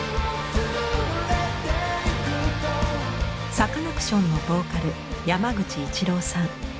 サカナクションのボーカル山口一郎さん。